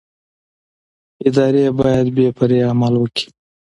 ادارې باید بې پرې عمل وکړي